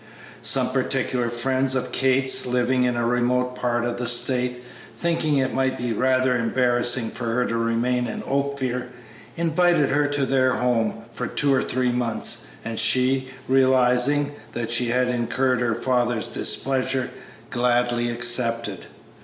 Some particular friends of Kate's, living in a remote part of the State, thinking it might be rather embarrassing for her to remain in Ophir, invited her to their home for two or three months, and she, realizing that she had incurred her father's displeasure, gladly accepted.